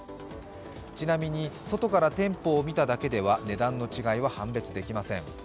ちなみに、外から店舗を見ただけでは値段の違いは判別できません。